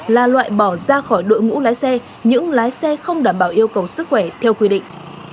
là loại bỏ ra khỏi đội ngũ lái xe những lái xe không đảm bảo yêu cầu sức khỏe theo quy định